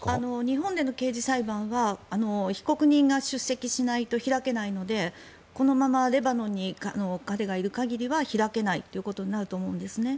日本での刑事裁判は被告人が出席しないと開けないので、このままレバノンに彼がいる限りは開けないということになると思うんですね。